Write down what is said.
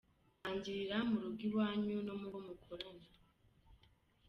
Tangirira mu rugo iwanyu no mubo mukorana.